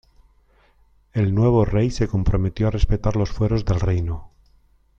El nuevo rey se comprometió a respetar los fueros del reino.